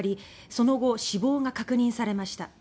その後死亡が確認されました。